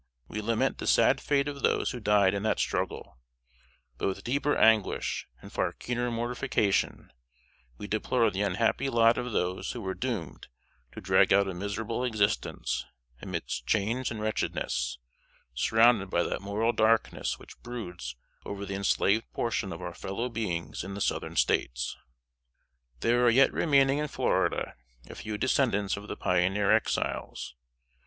We lament the sad fate of those who died in that struggle; but with deeper anguish, and far keener mortification, we deplore the unhappy lot of those who were doomed to drag out a miserable existence, amidst chains and wretchedness, surrounded by that moral darkness which broods over the enslaved portion of our fellow beings in the Southern States. There are yet remaining in Florida a few descendants of the pioneer Exiles.